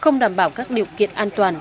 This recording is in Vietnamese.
không đảm bảo các điều kiện an toàn